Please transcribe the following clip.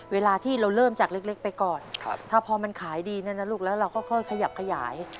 เวลาที่เราเริ่มจากเล็กไปก่อนถ้าพอมันขายดีเนี่ยนะลูกแล้วเราก็ค่อยขยับขยาย